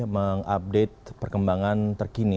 mengupdate perkembangan terkini